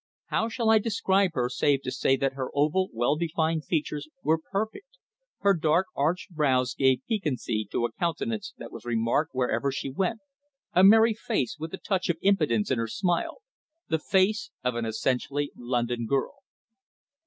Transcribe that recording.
How shall I describe her save to say that her oval, well defined features were perfect, her dark, arched brows gave piquancy to a countenance that was remarked wherever she went, a merry face, with a touch of impudence in her smile the face of an essentially London girl.